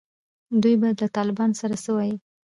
دوی به له طالبانو سره څه وایي.